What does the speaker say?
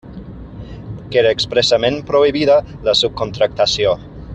Queda expressament prohibida la subcontractació.